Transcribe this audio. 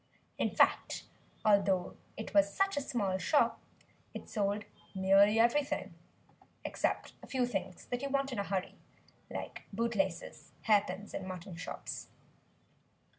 In fact, although it was such a small shop it sold nearly everything except a few things that you want in a hurry like bootlaces, hair pins and mutton chops.